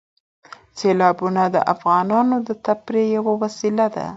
سیلابونه د افغانانو د تفریح یوه وسیله ده.